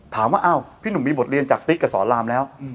ถามว่าอ้าวพี่หนุ่มมีบทเรียนจากติ๊กกับสอนรามแล้ว